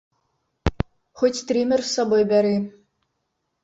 Хоць трымер з сабой бяры!